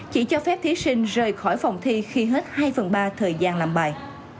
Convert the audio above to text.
chỉ cho phép thí sinh rời khỏi phòng thi khi hết hai phần ba thời gian làm bài